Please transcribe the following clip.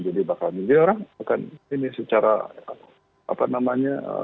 jadi orang akan ini secara apa namanya